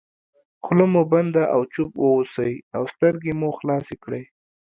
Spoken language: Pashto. خوله مو بنده او چوپ واوسئ او سترګې مو خلاصې کړئ.